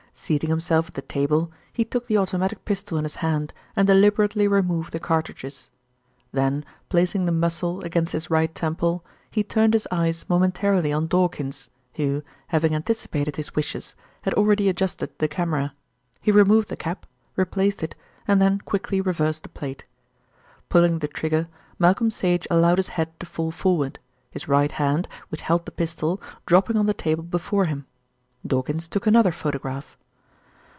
Seating himself at the table, he took the automatic pistol in his hand and deliberately removed the cartridges. Then placing the muzzle against his right temple he turned his eyes momentarily on Dawkins, who, having anticipated his wishes, had already adjusted the camera. He removed the cap, replaced it, and then quickly reversed the plate. Pulling the trigger, Malcolm Sage allowed his head to fall forward, his right hand, which held the pistol, dropping on the table before him. Dawkins took another photograph.